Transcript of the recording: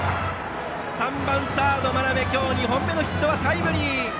３番サード、眞邉今日２本目のヒットはタイムリー。